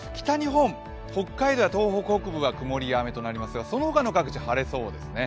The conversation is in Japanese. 北海道や東北北部は曇りや雨となりますが、その他の各地、晴れとなりそうですね。